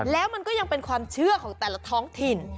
แล้วมันก็ยังเป็นความเชื่อของแต่ละท้องถิ่น